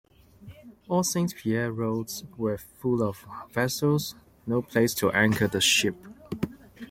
All Saint Pierre roads were full of vessels, no place to anchor the ship.